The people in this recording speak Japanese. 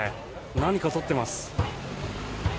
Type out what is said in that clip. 何か撮ってます。